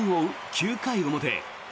９回表。